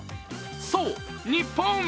そう、日本！